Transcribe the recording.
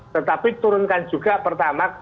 tetapi turunkan juga pertamak